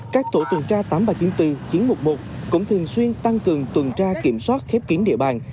các tổ tuần tra tám nghìn ba trăm chín mươi bốn chín trăm một mươi một cũng thường xuyên tăng cường tuần tra kiểm soát khép kín địa bàn